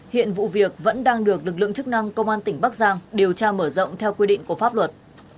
hiện vụ việc vẫn đang được lực lượng chức năng công an tỉnh bắc giang điều tra mở rộng theo quy định của pháp luật